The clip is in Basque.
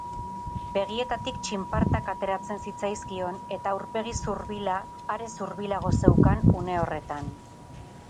Begietatik txinpartak ateratzen zitzaizkion eta aurpegi zurbila are zurbilago zeukan une horretan.